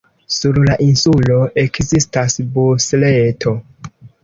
Sur la insulo ekzistas busreto.